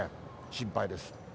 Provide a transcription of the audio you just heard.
心配です。